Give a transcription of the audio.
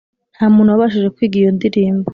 Nta muntu wabashije kwiga iyo ndirimbo,